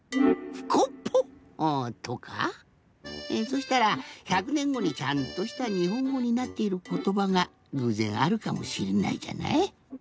そしたら１００ねんごにちゃんとしたにほんごになっていることばがぐうぜんあるかもしれないじゃない？